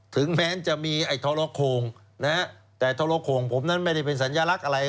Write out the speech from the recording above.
ถึงแม้จะมีไอ้ทรโขงนะฮะแต่ทรโขงผมนั้นไม่ได้เป็นสัญลักษณ์อะไร